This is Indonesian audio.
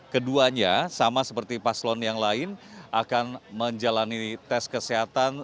keduanya sama seperti paslon yang lain akan menjalani tes kesehatan